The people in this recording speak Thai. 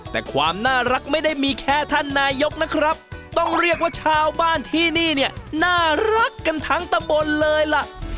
แต่ความน่ารักไม่ได้มีแค่ท่านนายกนะครับต้องเรียกว่าชาวบ้านที่นี่เนี่ยน่ารักกันทั้งตำบลเลยล่ะ